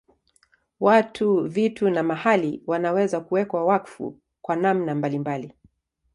Watu, vitu na mahali wanaweza kuwekwa wakfu kwa namna mbalimbali.